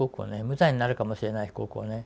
無罪になるかもしれない被告をね